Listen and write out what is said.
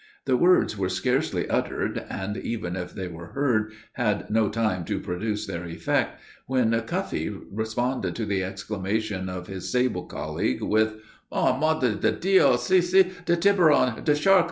The words were scarcely uttered, and, even if they were heard, had not time to produce their effect, when Cuffee responded to the exclamation of his sable colleague, with "Oh, Madre de Dios! see, see, de tiburon! de shark!